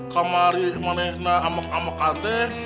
kamari mana amek amek kate